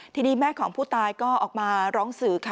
ทีนี้แม่ของผู้ตายก็ออกมาร้องสื่อค่ะ